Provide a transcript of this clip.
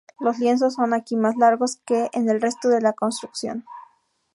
Los lienzos son aquí más largos que en el resto de la construcción.